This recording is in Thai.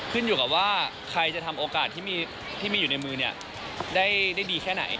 ขึ้นอยู่กับว่าใครจะทำโอกาสที่มีอยู่ในมือได้ดีแค่ไหน